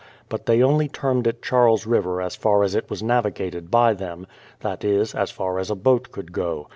But they only termed it Charles River as far as it was navigated by them, — that is, as far as a boat could go.